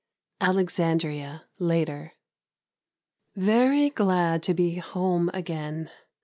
Alexandria, later. Very glad to be home again.